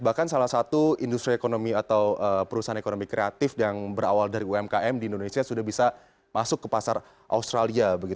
bahkan salah satu industri ekonomi atau perusahaan ekonomi kreatif yang berawal dari umkm di indonesia sudah bisa masuk ke pasar australia